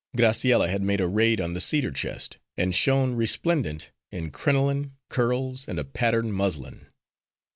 Graciella had made a raid on the cedar chest, and shone resplendent in crinoline, curls, and a patterned muslin.